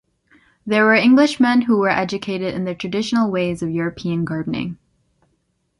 They were Englishmen who were educated in the traditional ways of European gardening.